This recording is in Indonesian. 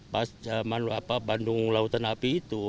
pas zaman lautan api itu